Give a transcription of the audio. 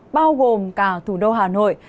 bao gồm cả thủ đô hà nội